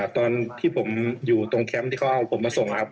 ตอนที่ผมอยู่ตรงแคมป์ที่เขาเอาผมมาส่งนะครับ